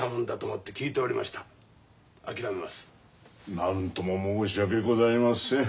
何とも申し訳ございません。